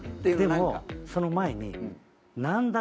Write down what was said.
でもその前に。